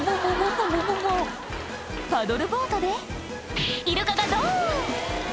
パドルボートでイルカがドン！